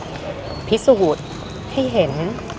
เพื่อที่จะพิสูจน์ให้เห็น